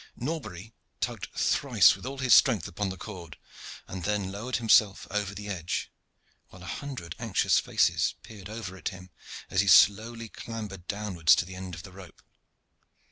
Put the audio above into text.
Norbury tugged thrice with all his strength upon the cord, and then lowered himself over the edge, while a hundred anxious faces peered over at him as he slowly clambered downwards to the end of the rope.